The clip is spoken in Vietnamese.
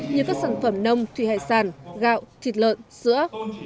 như các sản phẩm nông thủy hải sản gạo thịt lợn sữa